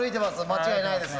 間違いないです。